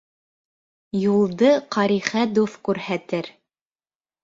Юлды Ҡарихә дуҫ күрһәтер.